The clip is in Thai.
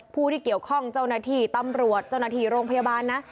ผู้ที่เกี่ยวข้องเจ้าหน้าที่ตำรวจเจ้าหน้าที่โรงพยาบาลนะ